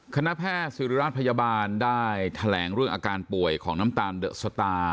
คณะแพทย์ศิริราชพยาบาลได้แถลงเรื่องอาการป่วยของน้ำตาลเดอะสตาร์